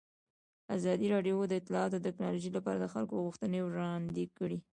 ازادي راډیو د اطلاعاتی تکنالوژي لپاره د خلکو غوښتنې وړاندې کړي.